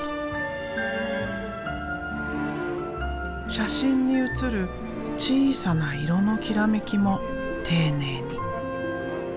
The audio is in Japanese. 写真に写る小さな色のきらめきも丁寧に。